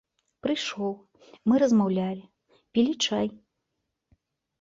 Прыйшоў, мы размаўлялі, пілі чай.